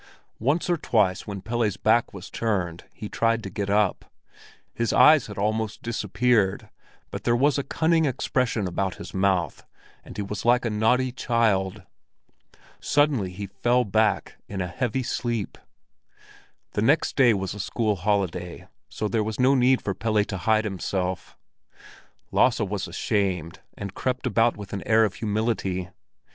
Once or twice when Pelle's back was turned, he tried to get up; his eyes had almost disappeared, but there was a cunning expression about his mouth, and he was like a naughty child. Suddenly he fell back in a heavy sleep. The next day was a school holiday, so there was no need for Pelle to hide himself. Lasse was ashamed and crept about with an air of humility.